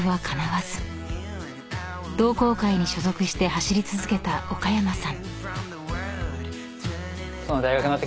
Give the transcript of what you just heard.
［同好会に所属して走り続けた岡山さん］